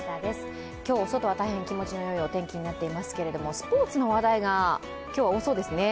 今日外は大変気持ちのよいお天気になっていますけどスポーツの話題が今日は多そうですね。